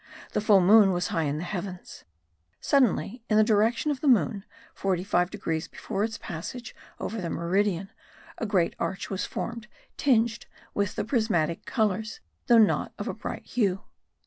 The full moon was high in the heavens. Suddenly, in the direction of the moon, 45 degrees before its passage over the meridian, a great arch was formed tinged with the prismatic colours, though not of a bright hue.